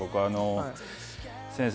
先生